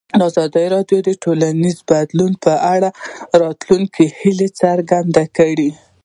ازادي راډیو د ټولنیز بدلون په اړه د راتلونکي هیلې څرګندې کړې.